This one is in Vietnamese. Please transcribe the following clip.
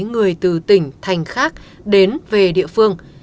người từ tỉnh thành khác đến về địa phương